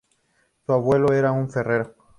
Su abuelo era un farero.